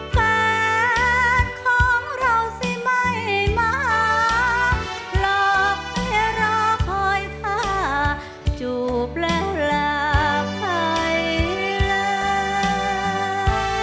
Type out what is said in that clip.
แฟนของเราสิไม่มาหลอกให้รอคอยถ้าจูบและลาภัยเลย